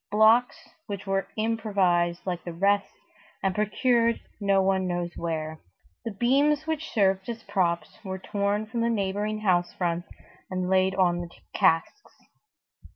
Blocks which were improvised like the rest and procured no one knows where. The beams which served as props were torn from the neighboring house fronts and laid on the casks.